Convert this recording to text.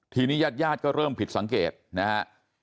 ทีนี้ญาติญาติก็เริ่มผิดสังเกตนะฮะ